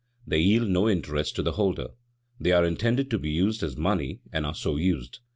They yield no interest to the holder. They are intended to be used as money and are so used.